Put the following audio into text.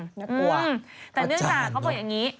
นักกลัวพระจารย์เนอะแต่เนื่องจากเขาบอกอย่างนี้